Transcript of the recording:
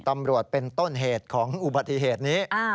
ตำรวจเป็นต้นเหตุของอุบัติเหตุนี้